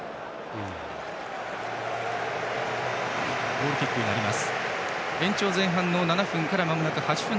ゴールキックになります。